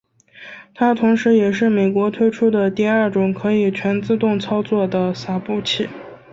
它同时也是美国推出的第二种可以全自动操作的洒布器。